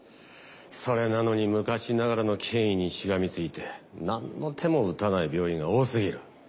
それなのに昔ながらの権威にしがみついてなんの手も打たない病院が多すぎる。